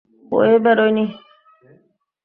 বইয়ে বেরোয় নি।